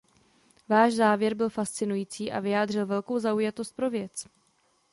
Váš závěr byl fascinující a vyjádřil velkou zaujatost pro věc.